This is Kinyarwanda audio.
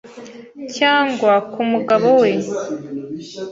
cyangwa ku mugabo we